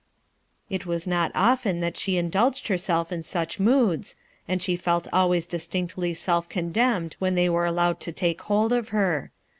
It was not often that she indulged herself in such moods, and she felt always distinctly self condemned when they were allowed to take hold of her.